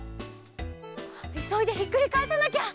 いそいでひっくりかえさなきゃ！